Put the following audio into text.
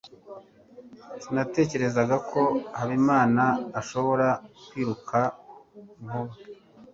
Sinatekerezaga ko Habimana ashobora kwiruka vuba.